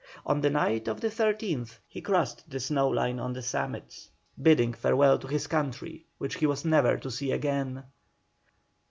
On the night of the 13th he crossed the snow line on the summit, bidding farewell to his country, which he was never to see again.